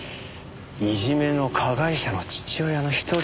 いじめの加害者の父親の一人か。